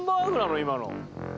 今の。